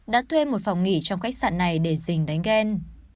đã thuê một phòng nghỉ trong khách sạn này để dình đánh ghen